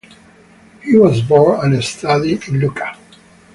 He was born and studied in Lucca.